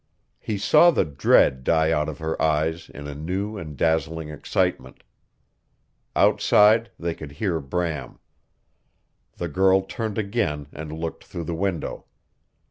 He saw the dread die out of her eyes in a new and dazzling excitement. Outside they could hear Bram. The girl turned again and looked through the window.